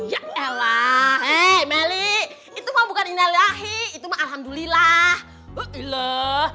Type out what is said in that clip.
ya elah hei melih itu mah bukan innalillahi itu mah alhamdulillah